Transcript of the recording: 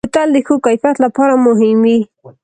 بوتل د ښو کیفیت لپاره مهم وي.